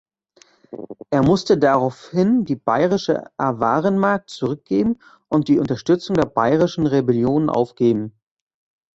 Er musste daraufhin die bayrische Awarenmark zurückgeben und die Unterstützung der bayrischen Rebellionen aufgeben.